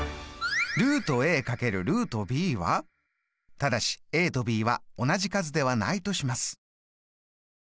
ただしとｂは同じ数ではないとします。